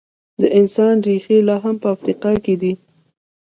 د انسان ریښې لا هم په افریقا کې دي.